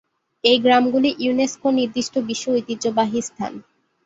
এই গ্রামগুলি ইউনেস্কো নির্দিষ্ট বিশ্ব ঐতিহ্যবাহী স্থান।